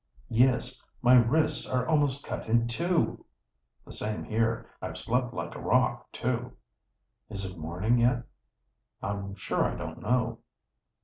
"Yes. My wrists are almost cut in two!" "The same here. I've slept like a rock, too." "Is it morning yet?" "I'm sure I don't know."